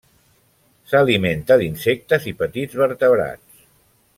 S'alimenta d'insectes i petits vertebrats.